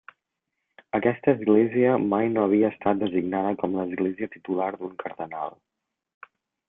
Aquesta església mai no havia estat designada com l'església titular d'un cardenal.